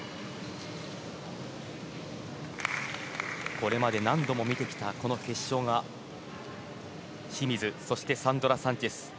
これまで何度も見てきたこの決勝が清水そしてサンドラ・サンチェス。